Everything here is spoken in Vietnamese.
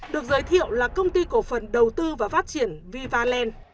được giới thiệu là công ty cổ phần đầu tư và phát triển vivaland